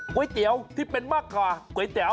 ก๋วยเตี๋ยวที่เป็นมากกว่าก๋วยเตี๋ยว